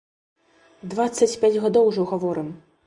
Дваццаць пяць гадоў ужо гаворым!